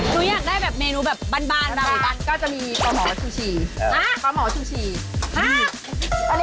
ดูอยากได้แบบเมนูแบบบาน